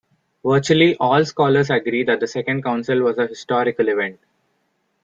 Virtually all scholars agree that the second council was a historical event.